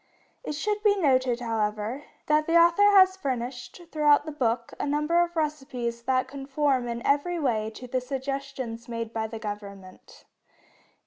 It should be noted, however, that the author has furnished, throughout the book, a number of recipes that conform in every way to the suggestions made by the Government.